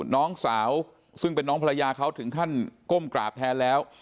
น้องสาวซึ่งเป็นน้องภรรยาเขาถึงขั้นก้มกราบแทนแล้ว